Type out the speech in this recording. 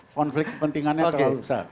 konflik kepentingannya terlalu besar